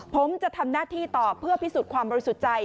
ผมจะทำหน้าที่ต่อเพื่อพิสูจน์ความบริสุทธิ์ใจ